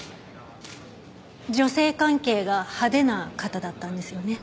女性関係が派手な方だったんですよね？